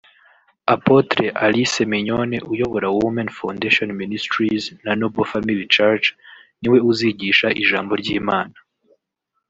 Apotre Alice Mignonne uyobora Women Foundation Ministries na Noble Family church ni we uzigisha ijambo ry'Imana